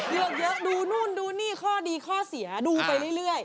เยอะดูนู่นดูนี่ข้อดีข้อเสียดูไปเรื่อย